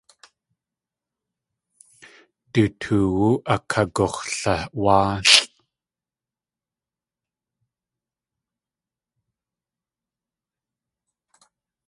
Du toowú akagux̲lawáalʼ.